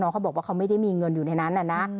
เขาบอกว่าเขาไม่ได้มีเงินอยู่ในนั้นน่ะนะ